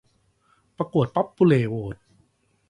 ประกวดป๊อบปูเล่โหวต